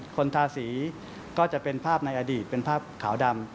คนทาสีก็จะเป็นภาพในอดีตเป็นภาพขาวดำ